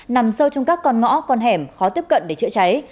nằm sâu trong các con ngõ con hẻm khó tiếp cận để chữa cháy